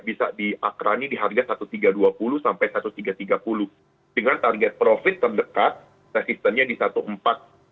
bisa di akra ini di harga rp satu tiga ratus dua puluh satu tiga ratus tiga puluh dengan target profit terdekat resistennya di rp satu empat ratus lima puluh lima